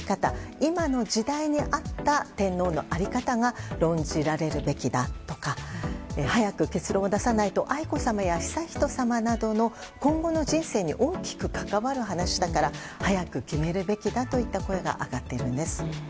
今の時代に合った天皇の在り方が論じられるべきだとか早く結論を出さないと愛子さまや悠仁さまなどの今後の人生に大きく関わる話だから早く決めるべきだといった声が上がっているんです。